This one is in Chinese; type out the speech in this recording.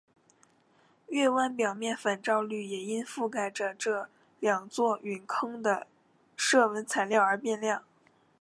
月湾表面反照率也因覆盖着这两座陨坑的射纹材料而变亮。